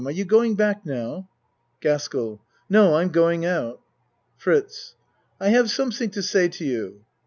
Are you going back now? GASKELL No, I'm going out. FRITZ I have something to say to you.